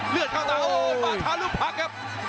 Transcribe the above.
เลือดเข้าตาโอ้มาช้าลูกพักครับ